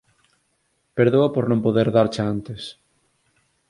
Perdoa por non poder darcha antes.